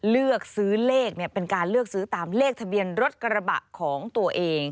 เลือกซื้อเลขเป็นการเลือกซื้อตามเลขทะเบียนรถกระบะของตัวเอง